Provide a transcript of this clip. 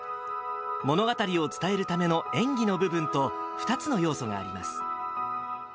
物語を伝えるための演技の部分と、２つの要素があります。